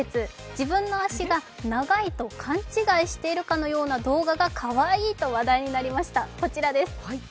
自分の足が長いと勘違いしているかのような動画がかわいいと話題になりました。